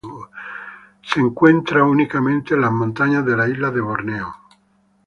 Se encuentra únicamente en las montañas de la isla de Borneo.